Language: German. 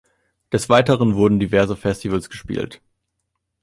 Des Weiteren wurden diverse Festivals gespielt.